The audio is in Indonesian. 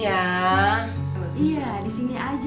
iya disini aja